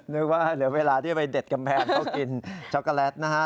นึกว่าเหลือเวลาที่ไปเด็ดกำแพงเขากินช็อกโกแลตนะฮะ